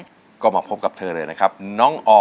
แต่ว่าเลือกที่จะทำและเลือกที่จะเป็นได้